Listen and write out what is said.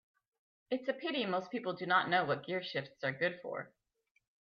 It's a pity most people do not know what gearshifts are good for.